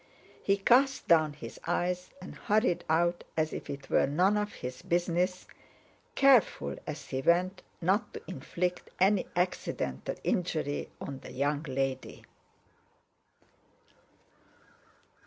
He cast down his eyes and hurried out as if it were none of his business, careful as he went not to inflict any accidental injury on the young lady.